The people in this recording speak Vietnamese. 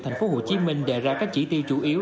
tp hcm đề ra các chỉ tiêu chủ yếu